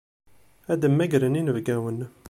Ad mmagren inebgawen.